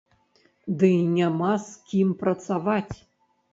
Дый няма з кім працаваць.